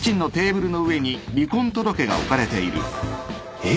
えっ？